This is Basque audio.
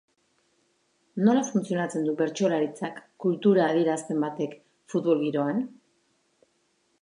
Nola funtzionatzen du bertsolaritzak, kultura adierazpen batek, futbol giroan?